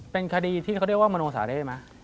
เป็นคดีที่เขาเรียกว่ามโนสาเล่ไหม